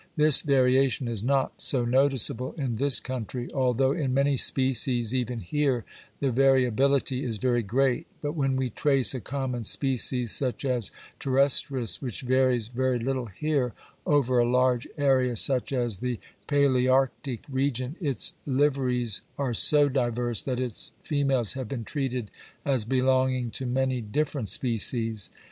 This variation is not so noticeable in this country, although in many species even here the variability is very great, but when we trace a common species such as terrestris, which varies very little here, over a large area such as the Palæarctic region its liveries are so diverse that its females have been treated as belonging to many different species.